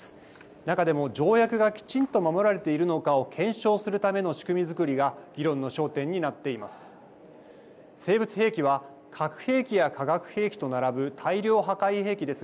中でも条約がきちんと守られているのかを検証するための仕組みづくりが議論の焦点になっています。